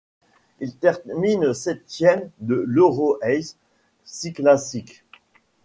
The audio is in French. Il termine septième de l'EuroEyes Cyclassics.